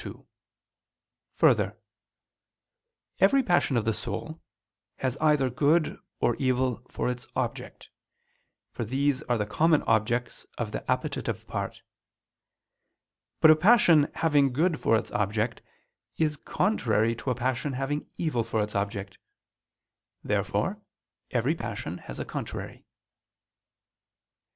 2: Further, every passion of the soul has either good or evil for its object; for these are the common objects of the appetitive part. But a passion having good for its object, is contrary to a passion having evil for its object. Therefore every passion has a contrary.